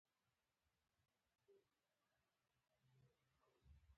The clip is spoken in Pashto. دا توپیر د محدود او بې نهایت تر منځ دی.